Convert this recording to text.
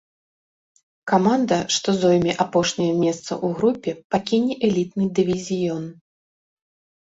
Каманда, што зойме апошняе месца ў групе, пакіне элітны дывізіён.